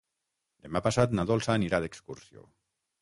Demà passat na Dolça anirà d'excursió.